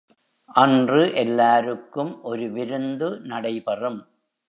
அன்று எல்லாருக்கும் ஒரு விருந்து நடைபெறும்.